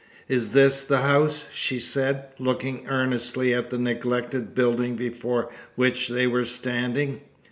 Is this the house?" she said, looking earnestly at the neglected building before which they were standing.